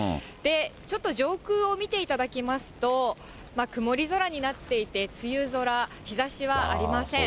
ちょっと上空を見ていただきますと、曇り空になっていて、梅雨空、日ざしはありません。